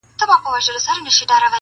اوس ماشومان له تاریخونو سره لوبي کوي!!